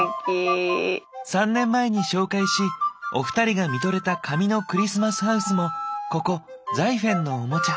３年前に紹介しお二人が見とれた紙のクリスマスハウスもここザイフェンのオモチャ。